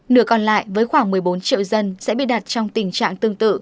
nửa còn lại với khoảng một mươi bốn triệu dân sẽ bị đặt trong tình trạng tương tự